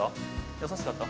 優しかった？